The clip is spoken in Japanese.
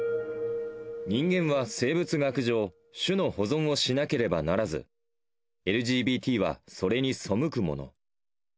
人間は生物学上、種の保存をしなければならず、ＬＧＢＴはそれに背くもの。